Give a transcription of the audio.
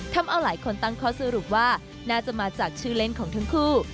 ทำเอาหลายคนตั้งข้อสรุปว่าน่าจะมาจากชื่อเล่นของทั้งคู่